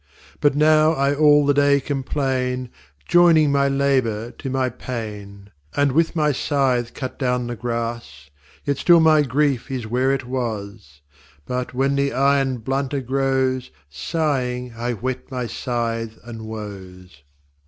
But now I all the day complain, Joyning my Labour to my Pain; And with my Sythe cut down the Grass, Yet still my Grief is where it was: But, when the Iron blunter grows, Sighing I whet my Sythe and Woes.